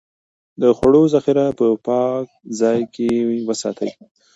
د خوړو ذخيره په پاک ځای کې وساتئ.